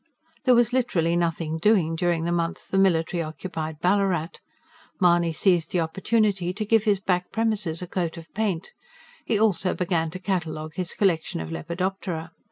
There was literally nothing doing during the month the military occupied Ballarat. Mahony seized the opportunity to give his back premises a coat of paint; he also began to catalogue his collection of Lepidoptera.